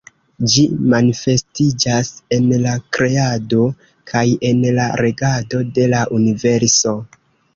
Ĝi manifestiĝas en la kreado kaj en la regado de la universo.